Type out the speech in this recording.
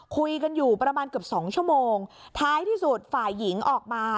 คุยกันอยู่ประมาณเกือบสองชั่วโมงท้ายที่สุดฝ่ายหญิงออกมา